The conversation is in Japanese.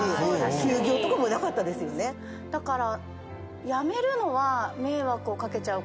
だから。